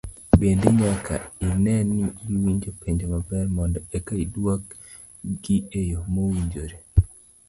Bende nyaka ine ni iwinjo penjo maber mondo eka iduok gi eyo ma owinjore.